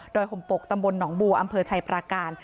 ห่มปกตำบลหนองบัวอำเภอชัยปราการ